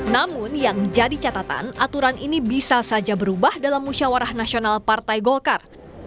namun yang jadi catatan aturan ini bisa saja berubah dalam musyawarah nasional partai golkar